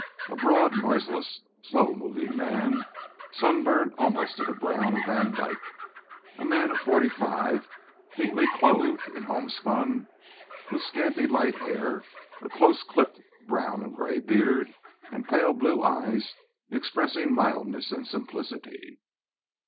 A broad, noiseless, slow moving man, sunburned almost to the brown of Vandyke. A man of forty five, neatly clothed in homespun, with scanty light hair, a close clipped brown and gray beard and pale blue eyes expressing mildness and simplicity.